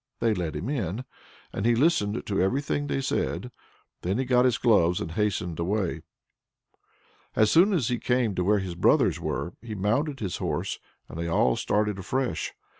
They let him in, and he listened to everything they said. Then he got his gloves and hastened away. As soon as he came to where his brothers were, he mounted his horse, and they all started afresh.